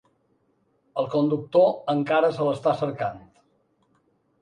El conductor encara se l’està cercant.